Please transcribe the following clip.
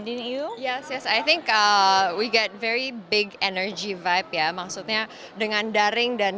di new york yes i think we get very big energy by piya maksudnya dengan daring dan